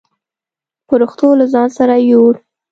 پرښتو له ځان سره يووړ.